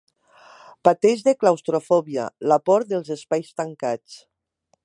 Pateix de claustrofòbia, la por dels espais tancats.